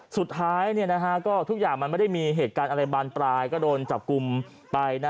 สุดท้ายก็ทุกอย่างมันไม่ได้มีเหตุการณ์อะไรบานปลายก็โดนจับกลุ่มไป